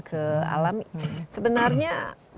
ke alam sebenarnya